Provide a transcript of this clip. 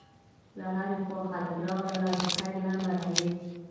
له هرې خوا خلک راغلل او د خیر له امله وې.